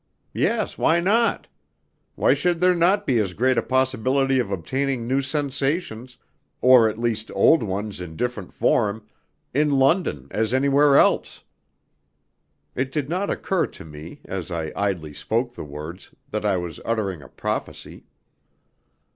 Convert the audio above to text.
"Yes; why not? Why should there not be as great a possibility of obtaining new sensations, or at least old ones in different form, in London as anywhere else?" It did not occur to me, as I idly spoke the words, that I was uttering a prophecy.